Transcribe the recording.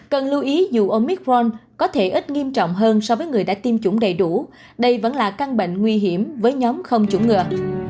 cần lưu ý dù omicron có thể ít nghiêm trọng hơn so với người đã tiêm chủng đầy đủ đây vẫn là căn bệnh nguy hiểm với nhóm không chủng ngừa